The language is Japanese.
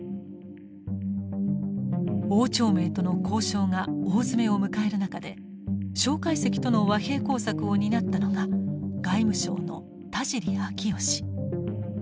汪兆銘との交渉が大詰めを迎える中で介石との和平工作を担ったのが外務省の田尻愛義。